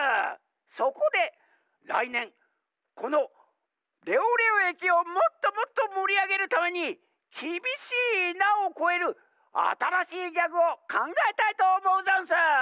そこでらいねんこのレオレオえきをもっともっともりあげるために『きびしいな』をこえるあたらしいギャグをかんがえたいとおもうざんす！